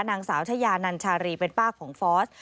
นางสาวชายานัญชารีเป็นป้าของฟอส